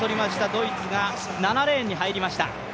ドイツが７レーンに入りました。